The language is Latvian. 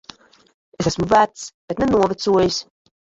Es esmu vecs. Bet ne novecojis.